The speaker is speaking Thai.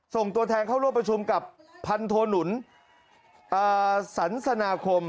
ส่งตัวแทนเข้าร่วมประชุมกับพันโทหนุนสันสนาคม